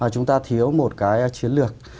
chúng ta thiếu một cái chiến lược